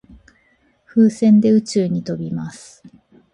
風船で宇宙に飛びます。